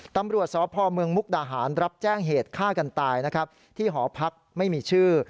ตำรวจสพเมืองมุกดาหารรับแจ้งเหตุฆ่ากันตายนะครับที่หอพักไม่มีชื่อ